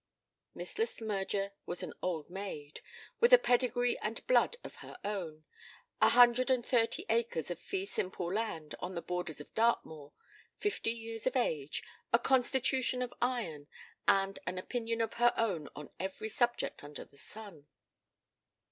Miss Le Smyrger was an old maid, with a pedigree and blood of her own, a hundred and thirty acres of fee simple land on the borders of Dartmoor, fifty years of age, a constitution of iron, and an opinion of her own on every subject under the sun.